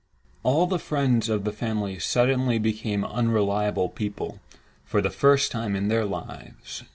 All the friends of the family suddenly became unreliable people, for the first time in their lives.